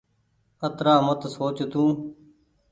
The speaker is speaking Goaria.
اترآ مت سوچ تو۔